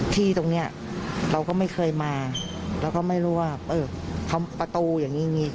ที่ตรงเนี่ยเราก็ไม่เคยมาเราก็ไม่รู้ว่าเออเขาประตูอย่างนี้